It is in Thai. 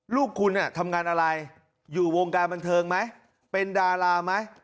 ลูกคุณทำงานอะไรอยู่วงการบันเทิงไหมเป็นดาราไหม